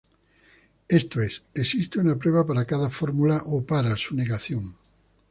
Esto es, existe una prueba para cada fórmula o para su negación.